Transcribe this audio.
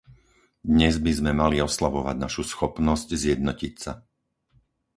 Dnes by sme mali oslavovať našu schopnosť zjednotiť sa.